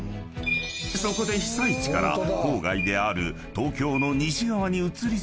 ［そこで被災地から郊外である］